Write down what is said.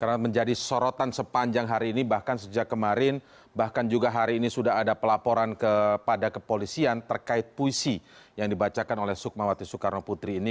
karena menjadi sorotan sepanjang hari ini bahkan sejak kemarin bahkan juga hari ini sudah ada pelaporan kepada kepolisian terkait puisi yang dibacakan oleh sukmawati soekarno putri ini